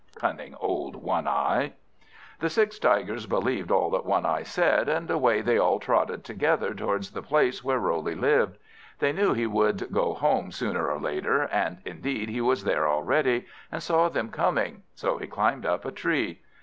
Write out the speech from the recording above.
Cunning old One eye! The six Tigers believed all that One eye said, and away they all trotted together towards the place where Roley lived. They knew he would go home sooner or later; and indeed he was there already, and saw them coming, so he climbed up a tree.